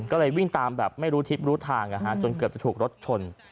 ก็เลยวิ่งตามแบบไม่รู้ทิศรู้ทางจนเกือบจะถูกรถชน